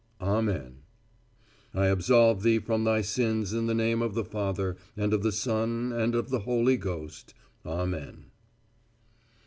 Amen_. (I absolve thee from thy sins in the name of the Father and of the Son and of the Holy Ghost. Amen.)